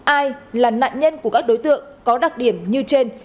ai là nạn nhân của các đối tượng có đặc điểm như trên